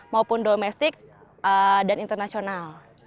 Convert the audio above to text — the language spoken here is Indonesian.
maupun domestik dan internasional